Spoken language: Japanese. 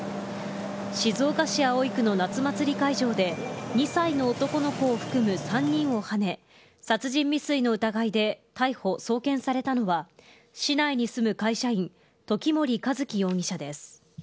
静岡市葵区の夏祭り会場で、２歳の男の子を含む３人をはね、殺人未遂の疑いで逮捕・送検されたのは、市内に住む会社員、時森一輝容疑者です。